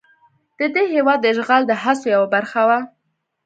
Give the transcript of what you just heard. د دې هېواد د اشغال د هڅو یوه برخه وه.